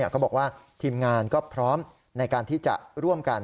เขาบอกว่าทีมงานก็พร้อมในการที่จะร่วมกัน